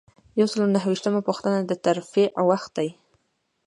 یو سل او نهمه پوښتنه د ترفیع وخت دی.